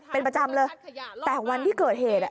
เป็นประจำเลยแต่วันที่เกิดเหตุอ่ะ